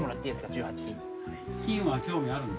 １８金。